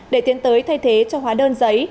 để tiến tới thay thế cho hóa đơn giấy